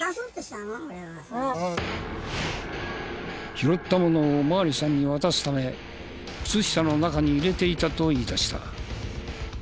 拾ったものをお巡りさんに渡すため靴下の中に入れていたと言い出した。